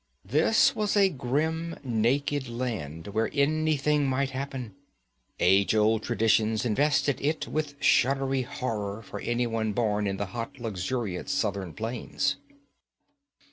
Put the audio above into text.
This was a grim, naked land where anything might happen. Age old traditions invested it with shuddery horror for anyone born in the hot, luxuriant southern plains.